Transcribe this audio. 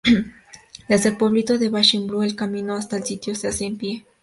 Desde el pueblito de Bassin-Bleu, el camino hasta al sitio se hace en pie.